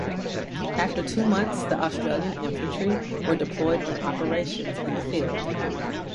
After two months the Australian infantry were deployed on operations in the field.